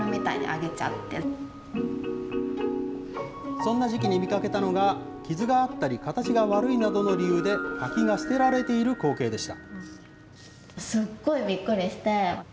そんな時期に見かけたのが、傷があったり形が悪いなどの理由で柿が捨てられている光景でした。